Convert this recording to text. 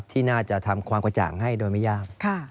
ที่น่าจะทำความกระจ่างให้โดยไม่ยาก